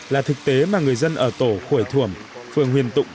là thực tế mà người dân ở tổ khuẩy thuẩm phường huyền tụng